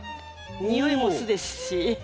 匂いも酢ですし。